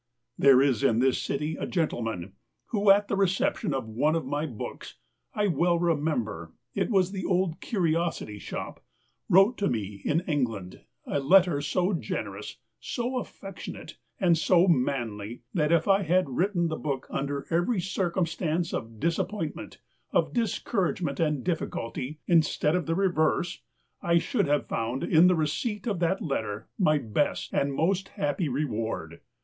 There is in this citj'^ a gentleman who, at the reception of one of my books — I well remember it was the Old Curiosity Shop — wrote to me in England a letter so generous, so affectionate, and so manly, that if I had written the book under every circumstance of disappointment, of dis couragement, and difficulty, instead of the re verse, I should have found in the receipt of that letter my best and most happy reward.